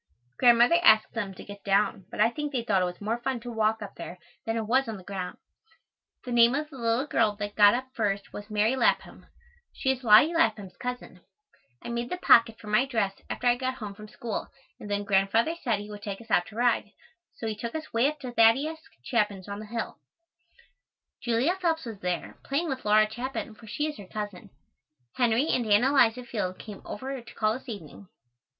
Grandmother asked them to get down, but I think they thought it was more fun to walk up there than it was on the ground. The name of the little girl that got up first was Mary Lapham. She is Lottie Lapham's cousin. I made the pocket for my dress after I got home from school and then Grandfather said he would take us out to ride, so he took us way up to Thaddeus Chapin's on the hill. Julia Phelps was there, playing with Laura Chapin, for she is her cousin. Henry and Ann Eliza Field came over to call this evening.